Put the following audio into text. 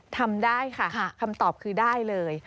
ทำได้ค่ะคำตอบคือได้เลย